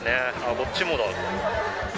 こっちもだ。